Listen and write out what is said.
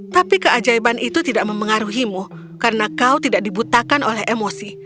tapi keajaiban itu tidak memengaruhimu karena kau tidak dibutakan oleh emosi